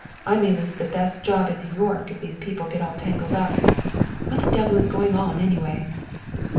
I may lose the best job in New York if these people get all tangled up. What the devil is going on, anyway?"